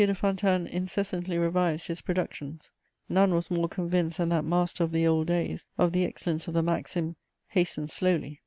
de Fontanes incessantly revised his productions; none was more convinced than that master of the old days of the excellence of the maxim, "Hasten slowly."